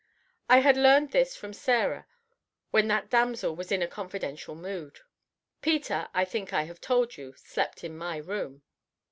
I had learned this from Sarah when that damsel was in a confidential mood. Peter, I think I have told you, slept in my room.